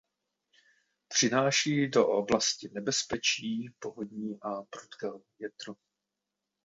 Přináší do oblasti nebezpečí povodní a prudkého větru.